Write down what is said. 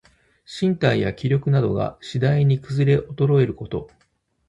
身体や気力などが、しだいにくずれおとろえること。